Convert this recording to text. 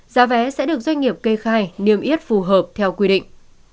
giá vé sẽ được doanh nghiệp kê khai niêm yết phù hợp theo quy định